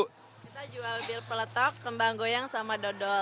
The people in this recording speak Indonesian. kita jual bil peletok kembang goyang sama dodol